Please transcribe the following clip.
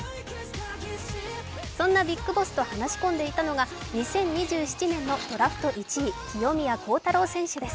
そんなビッグボスと話し込んでいたのが２０１７年のドラフト１位、清宮幸太郎です。